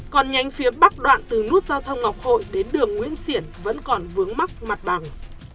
còn nhánh phía bắc đoạn từ nút giao thông ngọc hội đến đường nguyễn xiển vẫn còn vướng mắc mặt bằng